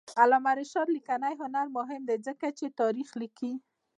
د علامه رشاد لیکنی هنر مهم دی ځکه چې تاریخ لیکي.